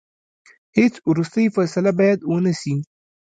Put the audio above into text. هیڅ وروستۍ فیصله باید ونه سي.